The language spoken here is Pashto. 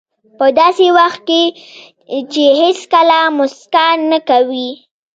په داسې وخت کې چې هېڅکله موسکا نه کوئ.